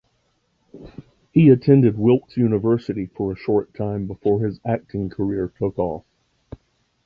He attended Wilkes University for a short time before his acting career took off.